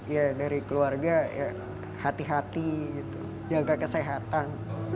ya dari keluarga ya hati hati jaga kesehatan